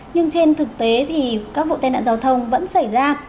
nhưng trên thực tế thì các vụ tai nạn giao thông vẫn xảy ra